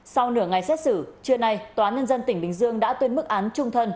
sau nửa ngày xét xử trưa nay tòa nhân dân tỉnh bình dương đã tuyên mức án trung thân